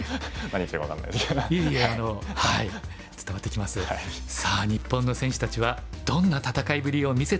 さあ日本の選手たちはどんな戦いぶりを見せたのでしょうか。